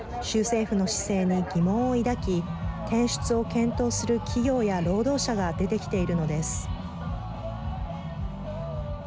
政府の姿勢に疑問を抱き転出を検討する企業や労働者が出てきているのです。